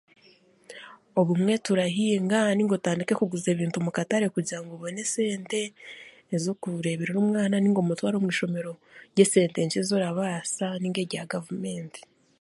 Obumwe turahinga nainga otandike kuguza ebintu mukatare kugira obone esente ez'okureeberera omwana nainga omutware omu ishomero ry'esente ezorabaasa nainga erya gavumenti